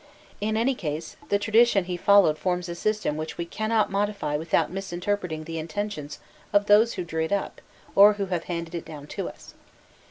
In any case, the tradition he followed forms a system which we cannot, modify without misinterpreting the intention of those who drew it up or who have handed it down to us.